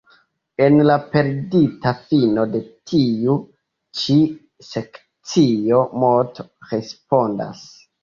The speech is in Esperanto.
En la perdita fino de tiu ĉi sekcio, Moto respondas.